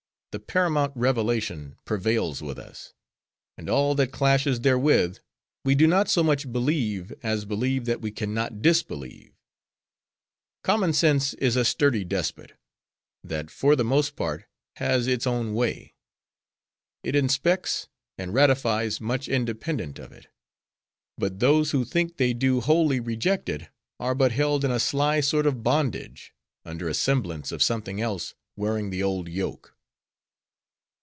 The paramount revelation prevails with us; and all that clashes therewith, we do not so much believe, as believe that we can not disbelieve. Common sense is a sturdy despot; that, for the most part, has its own way. It inspects and ratifies much independent of it. But those who think they do wholly reject it, are but held in a sly sort of bondage; under a semblance of something else, wearing the old yoke.